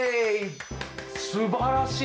すばらしい！